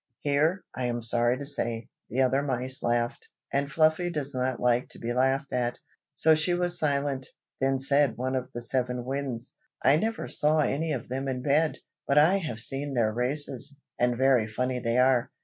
Here, I am sorry to say, the other mice laughed, and Fluffy does not like to be laughed at, so she was silent. Then said one of the seven Winds, "I never saw any of them in bed, but I have seen their races, and very funny they are.